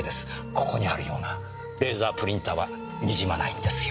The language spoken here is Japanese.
ここにあるようなレーザープリンターは滲まないんですよ。